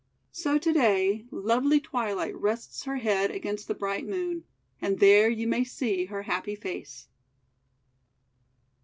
So to day lovely Twilight rests her head against the bright Moon, and there you may see her happy face.